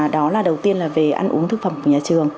đó là đầu tiên là về ăn uống thực phẩm của nhà trường